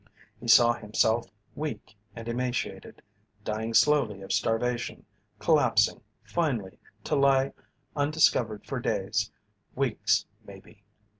He saw himself weak and emaciated, dying slowly of starvation, collapsing, finally to lie undiscovered for days, weeks maybe.